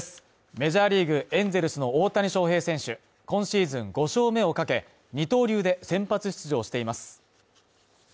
メジャーリーグエンゼルスの大谷翔平選手、今シーズン５勝目をかけ、二刀流で先発出場しています。